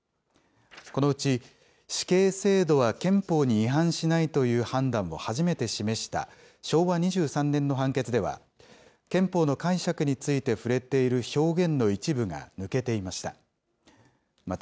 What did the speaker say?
このうち死刑制度は憲法に違反しないという判断を初めて示した昭和２３年の判決では、憲法の解釈について触れている表現の一部が抜けていました。